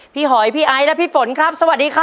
หอยพี่ไอซ์และพี่ฝนครับสวัสดีครับ